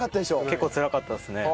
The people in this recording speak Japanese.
結構つらかったですね。